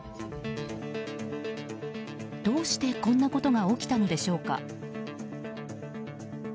どうしてこんなことが起きたのでしょうか。